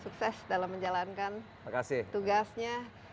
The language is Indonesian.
sukses dalam menjalankan tugasnya